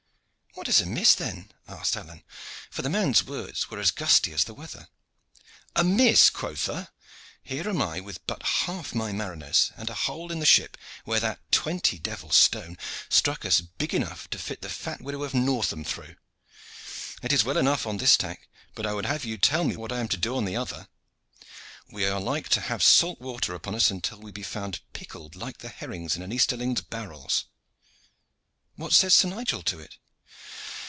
"What is amiss then?" asked Alleyne, for the man's words were as gusty as the weather. "Amiss, quotha? Here am I with but half my mariners, and a hole in the ship where that twenty devil stone struck us big enough to fit the fat widow of Northam through. It is well enough on this tack, but I would have you tell me what I am to do on the other. We are like to have salt water upon us until we be found pickled like the herrings in an Easterling's barrels." "What says Sir Nigel to it?"